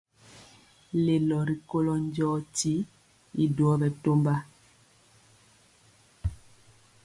Lelo rikolo njɔɔtyi y duo bɛtɔmba.